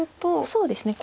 そうですね。